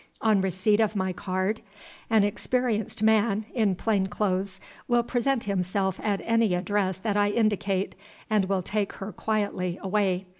On receipt of my card, an experienced man, in plain clothes, will present himself at any address that I indicate, and will take her quietly away.